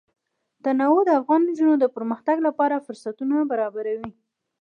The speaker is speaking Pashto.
تنوع د افغان نجونو د پرمختګ لپاره فرصتونه برابروي.